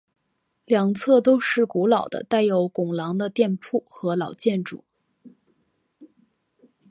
两侧都是古老的带有拱廊的店铺和老建筑。